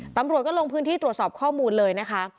ตำรวจก็ลงพื้นที่ตรวจสอบข้อมูลเลยนะคะ